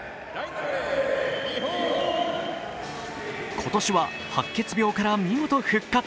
今年は、白血病から見事復活。